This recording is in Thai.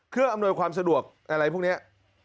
เพื่ออำนวยความสะดวกอะไรพวกนี้